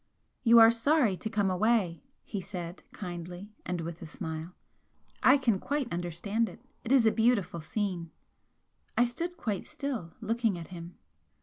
"You are sorry to come away," he said, kindly, and with a smile "I can quite understand it. It is a beautiful scene." I stood quite still, looking at him.